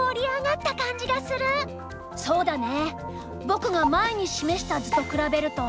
そうだね